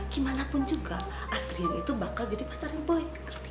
gimanapun juga adrian itu bakal jadi pacar yang boy